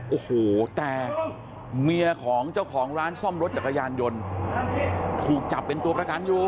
โอ้โหแต่เมียของเจ้าของร้านซ่อมรถจักรยานยนต์ถูกจับเป็นตัวประกันอยู่